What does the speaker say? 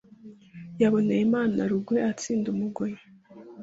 Yaboneye Imana Rugwe atsinda umugoyi.